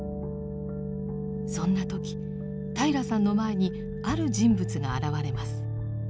そんな時平良さんの前にある人物が現れます。